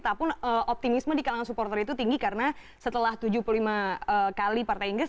tapi optimisme di kalangan supporter itu tinggi karena setelah tujuh puluh lima kali partai inggris